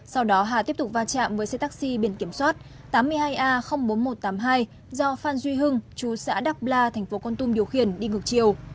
sau đó hà tiếp tục va chạm với xe taxi biện kiểm soát tám mươi hai a bốn nghìn một trăm tám mươi hai do phan duy hưng chú xã đắk bla tp kon tum điều khiển đi ngược chiều